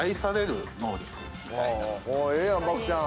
ええやんばくちゃん。